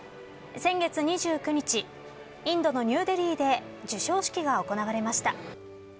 先月２９日インドのニューデリーで受賞式が行われました。